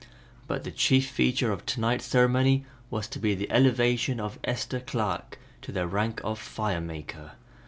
But the chief feature of to night's ceremony was to be the elevation of Esther Clark to the rank of Fire Maker.